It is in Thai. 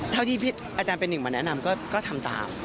เท่าที่อาจารย์เป็นหนึ่งมาแนะนำก็ทำตาม